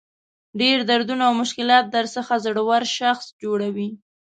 ډېر دردونه او مشکلات درڅخه زړور شخص جوړوي.